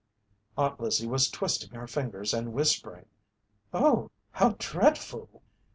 Aunt Lizzie was twisting her fingers and whispering: "Oh, how dread ful!"